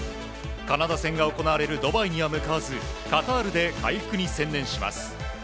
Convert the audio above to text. カナダ戦が行われるドバイには向かわずカタールで回復に専念します。